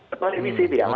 ketua divisi di awal